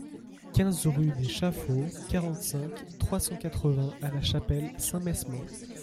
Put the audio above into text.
quinze rue des Chaffauts, quarante-cinq, trois cent quatre-vingts à La Chapelle-Saint-Mesmin